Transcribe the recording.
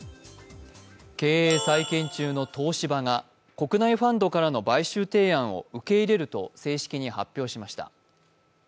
経営再建中の東芝が国内ファンドからの買収提案を受け入れると正式に発表しました。